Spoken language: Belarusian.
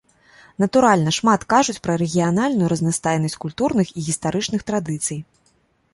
Натуральна, шмат кажуць пра рэгіянальную разнастайнасць культурных і гістарычных традыцый.